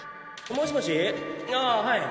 もしもし？